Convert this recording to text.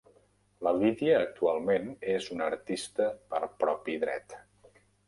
La Lydia actualment és una artista per propi dret.